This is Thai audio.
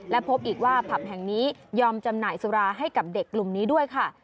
และพบอีกว่าผับแห่งนี้ยอมจำหน่ายสุราให้กับเด็กกลุ่มนี้ด้วยค่ะ